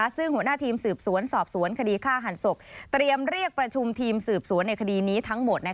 ซึ่งหัวหน้าทีมสืบสวนสอบสวนคดีฆ่าหันศพเตรียมเรียกประชุมทีมสืบสวนในคดีนี้ทั้งหมด